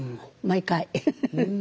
毎回。